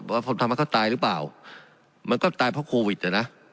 ว่าผมทำให้เขาตายหรือเปล่ามันก็ตายเพราะโควิดอ่ะนะ